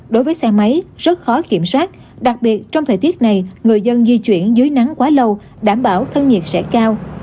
đối với xe máy rất khó kiểm soát đặc biệt trong thời tiết này người dân di chuyển dưới nắng quá lâu đảm bảo thân nhiệt sẽ cao